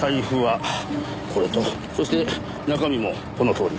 そして中身もこのとおり。